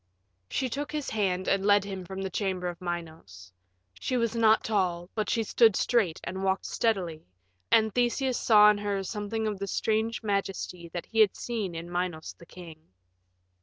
She took his hand and led him from the chamber of Minos. She was not tall, but she stood straight and walked steadily, and Theseus saw in her something of the strange majesty that he had seen in Minos the king.